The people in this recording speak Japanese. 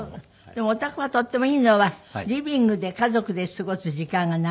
でもおたくがとってもいいのはリビングで家族で過ごす時間が長い。